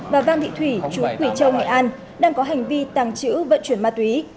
và vang thị thủy chú quỷ châu nghệ an đang có hành vi tàng trữ vận chuyển ma túy